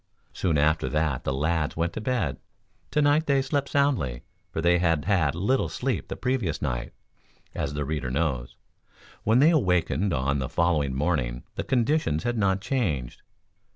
Soon after that the lads went to bed. Tonight they slept soundly, for they had had little sleep the previous night, as the reader knows. When they awakened on the following morning the conditions had not changed.